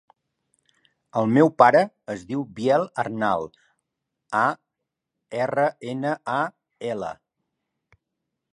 El meu pare es diu Biel Arnal: a, erra, ena, a, ela.